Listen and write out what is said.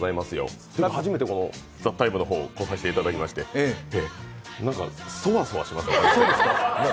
初めてこの「ＴＨＥＴＩＭＥ，」来させていただきまして何かそわそわしますね。